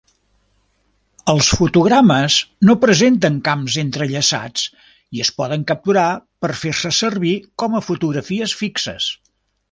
Els fotogrames no presenten camps entrellaçats i es poden capturar per fer-se servir com a fotografies fixes.